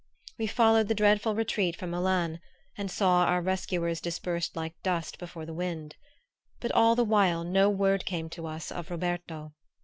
We followed the dreadful retreat from Milan, and saw our rescuers dispersed like dust before the wind. But all the while no word came to us of Roberto.